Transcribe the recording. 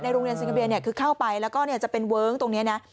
ในโรงเรียนสิงค์กระเป๋าเนี้ยคือเข้าไปแล้วก็เนี้ยจะเป็นเวิร์งตรงเนี้ยน่ะ